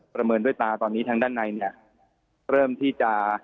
เมินด้วยตาตอนนี้ทางด้านในเนี่ยเริ่มที่จะ